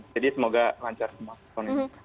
jadi semoga lancar semua